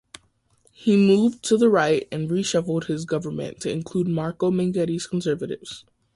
He moved to the right and reshuffled his government to include Marco Minghetti's Conservatives.